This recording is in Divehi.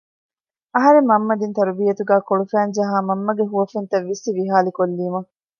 އަހަރެން މަންމަ ދިން ތަރުބިއްޔަތުގައި ކޮޅުފައިންޖަހާ މަންމަގެ ހުވަފެންތައް ވިއްސި ވިހާލި ކޮއްލީމަ